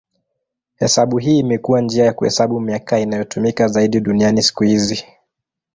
Hesabu hii imekuwa njia ya kuhesabu miaka inayotumika zaidi duniani siku hizi.